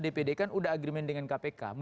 dpd kan udah agreement dengan kpk